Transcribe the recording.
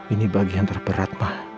ini bagian terberat ma